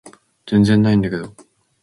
全然ないんだけど